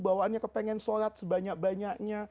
bawaannya kepengen sholat sebanyak banyaknya